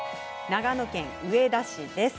長野県上田市です。